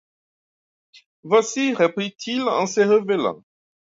Voici, reprit-il en se relevant.